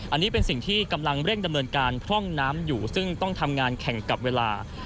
อันนี้เป็นสิ่งที่กำลังเร่งดำเนินการพร่องน้ำอยู่ซึ่งต้องทำงานแข่งกับเวลา